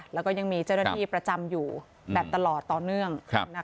แล้วก็ยังมีเจ้าหน้าที่ประจำอยู่แบบตลอดต่อเนื่อง